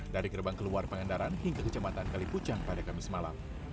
dari gerbang keluar pangendaran hingga kejematan kalipucan pada kamis malam